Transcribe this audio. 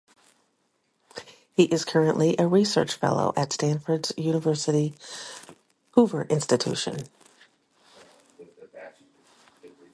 He is currently a research fellow at Stanford University's Hoover Institution.